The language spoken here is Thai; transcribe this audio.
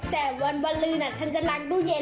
แต่วันวันลื่นอ่ะฉันจะรังดูเย็น